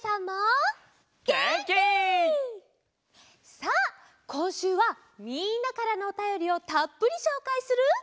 さあこんしゅうはみんなからのおたよりをたっぷりしょうかいする。